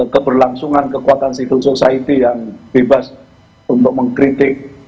keberlangsungan kekuatan civil society yang bebas untuk mengkritik